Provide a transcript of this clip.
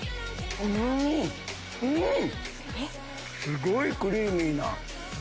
すごいクリーミーな。